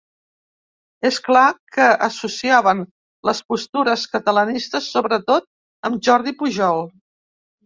És clar que associaven les postures catalanistes sobretot amb Jordi Pujol.